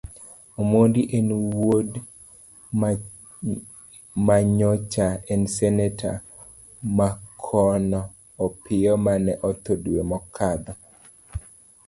Omondi en wuod manyocha en seneta makono Opiyo mane otho dwe mokadho.